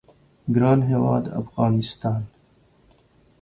ګران هیواد افغانستان